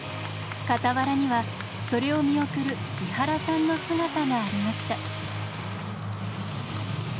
傍らにはそれを見送る井原さんの姿がありました。